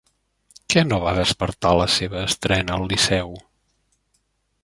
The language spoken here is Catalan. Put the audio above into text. Què no va despertar la seva estrena al Liceu?